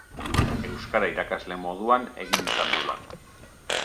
Euskara irakasle moduan egin izan du lan.